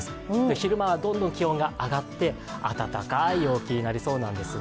昼間はどんどん気温が上がって、暖かい陽気になりそうなんですね。